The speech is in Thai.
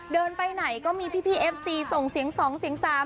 เดินไปไหนก็มีพี่เอฟซีส่งเสียง๒เสียง๓